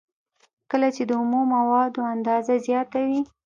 کله چې د اومو موادو اندازه زیاته وي